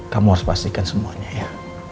kamu harus pastikan semuanya ya